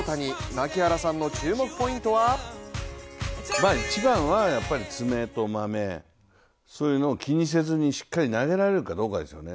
槙原さんの注目ポイントは一番は爪とマメ、そういうのを気にせずにしっかり投げられるかどうかですよね。